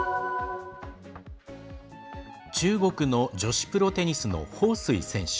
中国の女子プロテニスの彭帥選手。